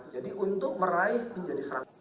jadi untuk meraih menjadi seratus